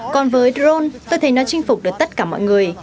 còn với drone tôi thấy nó chinh phục được tất cả mọi người